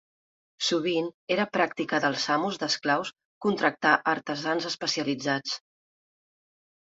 Sovint era pràctica dels amos d'esclaus contractar artesans especialitzats.